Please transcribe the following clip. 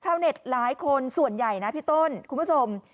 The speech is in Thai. เช้าเน็ตหลายคนส่วนใหญ่แหล่ะพี่โต้นคุณผู้ชม